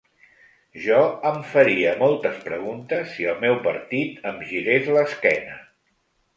Jo em faria moltes preguntes si el meu partit em girés l’esquena.